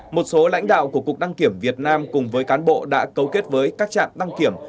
một số lãnh đạo của cục đăng kiểm việt nam cùng với cán bộ đã cấu kết với các trạm đăng kiểm